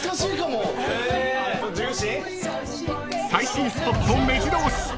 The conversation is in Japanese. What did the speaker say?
［最新スポットめじろ押し］